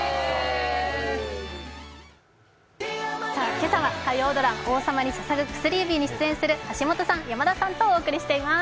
今朝は火曜ドラマ「王様に捧ぐ薬指」に出演する橋本さん、山田さんとお送りしています。